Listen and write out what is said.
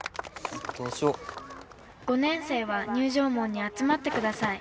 「５年生は入場門に集まってください」。